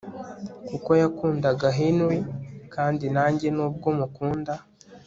kuko yakundaga Henry kandi nanjye nubwo mukunda